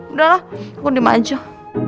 udah lah aku dimanjur